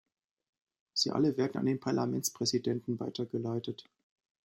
Sie alle werden an den Parlamentspräsidenten weitergeleitet.